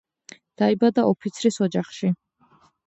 დაიბადა ოფიცრის ოჯახში.